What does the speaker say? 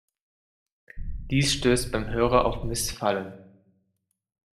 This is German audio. Dies stößt beim Hörer auf Missfallen.